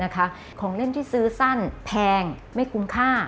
ของเล่นที่ซื้อสั้นแพงไม่คุ้มค่า